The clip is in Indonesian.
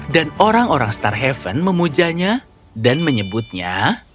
dan orang orang starhaven memujanya dan menyebutnya